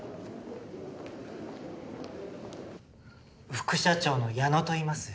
副社長の矢野といいます。